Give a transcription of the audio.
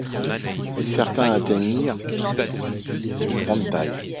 Certains atteignirent de grandes tailles.